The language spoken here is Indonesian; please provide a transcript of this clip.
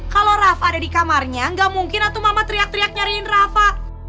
kalo rafa ada di kamarnya gak mungkin lah tuh mama teriak teriak nyariin rafa